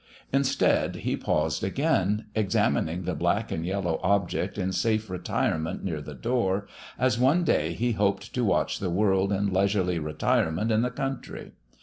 Instead, he paused again, examining the black and yellow object in safe retirement near the door, as one day he hoped to watch the world in leisurely retirement in the country.